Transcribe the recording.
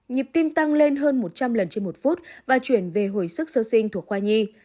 nhịp tim tăng lên hơn một trăm linh lần trên một phút và chuyển về hồi sức sơ sinh thuộc khoa nhi